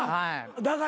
だから。